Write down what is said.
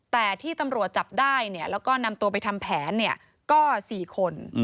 แต่ที่ตำรวจจับได้แล้วก็นำตัวไปทำแผนก็๔คน